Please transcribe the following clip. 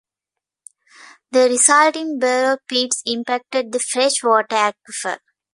The resulting borrow pits impacted the fresh-water aquifer.